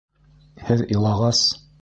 Һеҙ илағас...